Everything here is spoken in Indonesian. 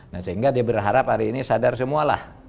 nah sehingga dia berharap hari ini sadar semua lah